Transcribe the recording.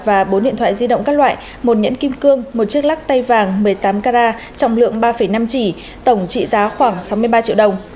và bốn điện thoại di động các loại một nhẫn kim cương một chiếc lắc tay vàng một mươi tám carat trọng lượng ba năm chỉ tổng trị giá khoảng sáu mươi ba triệu đồng